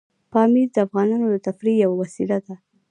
پامیر د افغانانو د تفریح یوه وسیله ده.